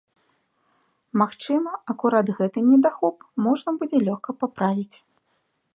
Магчыма, акурат гэты недахоп можна будзе лёгка паправіць.